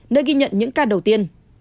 nơi ghi nhận những ca đầu tiên